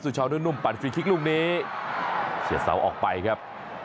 ชาวนุ่มปั่นฟรีคลิกลูกนี้เสียเสาออกไปครับ